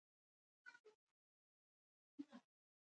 فوقیت ستونزه نه لري، خو حل نه دی.